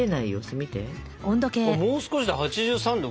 もう少しで８３℃